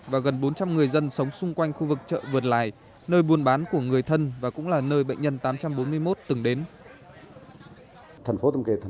và gần bốn trăm linh người dân sống xung quanh khu vực chợ vượt lài nơi buôn bán của người thân và cũng là nơi bệnh nhân tám trăm bốn mươi một từng đến